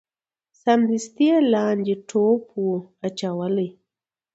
سمدستي یې لاندي ټوپ وو اچولی